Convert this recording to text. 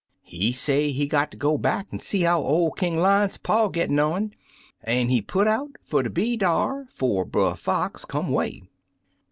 He say he got ter go back an' see how ol' King Lion's paw gittin' on, an' he put out fer ter be dar 'fo' Brer Fox come 'way.